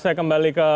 saya kembali ke